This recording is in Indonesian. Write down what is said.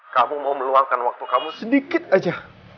kamu mau meluangkan waktu kamu sedikit aja